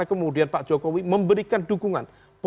dan kemudian pak jokowi memberikan dukungan